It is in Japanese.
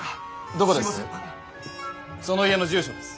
どこです？